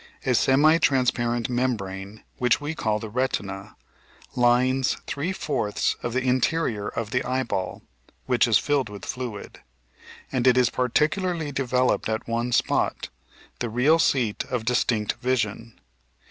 A semi transparent membrane, which we call the retina, lines three fourths of the interior of the eyeball (which is filled with fluid), and it is particularly developed at one spot, the real seat of distinct vision.